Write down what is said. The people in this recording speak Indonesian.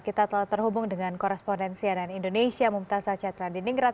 kita telah terhubung dengan korrespondensianan indonesia mumtazah catra diningrat